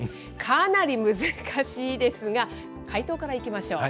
かなり難しいですが、解答からいきましょう。